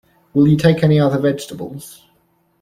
Will you take any other vegetables?